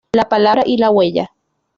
La palabra y la huella.